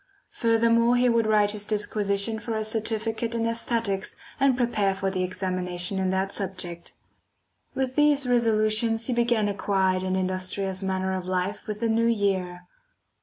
Furthermore he would write his disquisition for a certificate in æsthetics and prepare for the examination in that subject. With these resolutions he began a quiet and industrious manner of life with the new year.